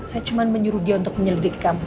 saya cuma menyuruh dia untuk menyelidiki